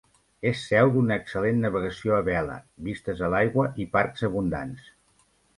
És seu d'una excel·lent navegació a vela, vistes a l'aigua i parcs abundants.